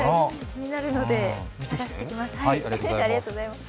気になるので捜してきます。